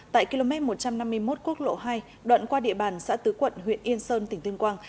tại km một trăm năm mươi một quốc lộ hai đoạn qua địa bàn xã tứ quận huyện yên sơn tỉnh tuyên quang